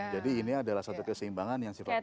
jadi ini adalah satu keseimbangan yang sifatnya itu